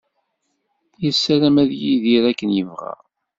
Yessaram ad yidir akken yebɣa.